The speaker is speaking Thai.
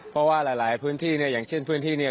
เพราะว่าหลายพื้นที่เนี่ยอย่างเช่นพื้นที่เนี่ย